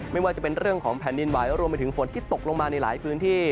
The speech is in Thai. ไม่ว่าจะเป็นเรื่องของแผ่นดินไหวรวมไปถึงฝนที่ตกลงมาในหลายพื้นที่